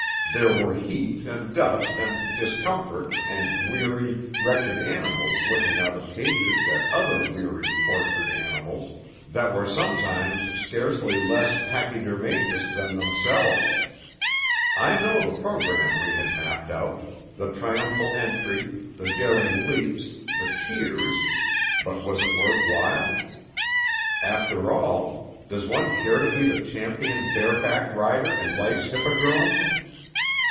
There were heat and dust and discomfort, and weary, wretched animals looking out of cages at other weary, tortured animals, that were sometimes scarcely less pachydermatous than themselves. I know the program we had mapped out, the triumphal entry, the daring leaps, the cheers, but was it worth while? After all, does one care to be the champion bareback rider in life's hippodrome?